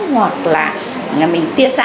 hoặc là mình tiết xạ